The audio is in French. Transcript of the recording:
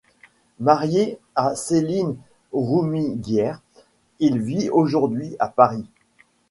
Marié à Cécile Roumiguière, il vit aujourd'hui à Paris.